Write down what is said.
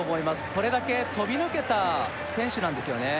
それだけ飛び抜けた選手なんですよね